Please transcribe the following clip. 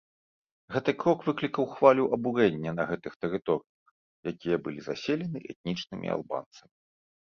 Гэты крок выклікаў хвалю абурэння на гэтых тэрыторыях, якія былі заселены этнічнымі албанцамі.